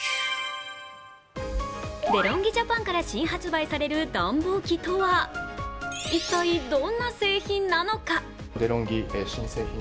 デロンギ・ジャパンから新発売される暖房機とは一体、どんな製品なのか？